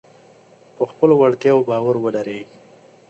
په خپلو وړتیاوو باور ولرئ.